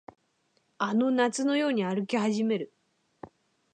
あの夏のように歩き始める